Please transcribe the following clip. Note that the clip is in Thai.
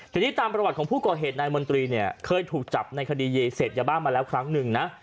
ทีนี้ตามประวัติของผู้ก่อเหตุนายมนตรีเนี่ยเคยถูกจับในคดีเยเสพยาบ้ามาแล้วครั้งหนึ่งนะ